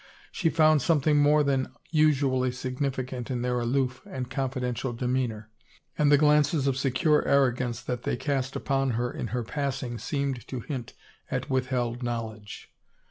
She found something more than usually significant in their aloof and confidential demeanor, and the glances of secure arro gance that they cast upon her in her passing seemed to hint at withheld knowledge.